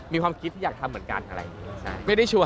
มีความคิดที่อยากทำเหมือนกันอะไรอย่างนี้